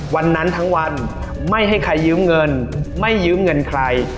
วันนั้นทั้งวันไม่ให้ใครยืมเงินไม่ยืมเงินใคร